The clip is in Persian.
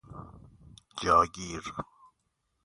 جا گیر